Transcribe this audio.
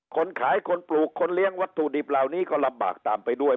คนขายคนปลูกคนเลี้ยงวัตถุดิบเหล่านี้ก็ลำบากตามไปด้วย